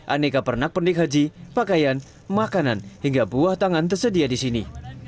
aneka pernak pernik haji pakaian makanan hingga buah tangan tersedia di sini